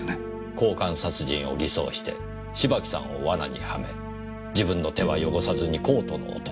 交換殺人を偽装して芝木さんを罠にはめ自分の手は汚さずにコートの男を殺させる。